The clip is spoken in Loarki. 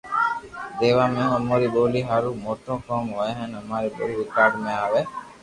ديوا جي مون اموري ٻولي ھارو موٽو ڪوم ھوئي ھين اماري ٻولي رآڪارذ مي آوئي